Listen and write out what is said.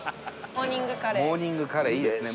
モーニングカレーいいですね。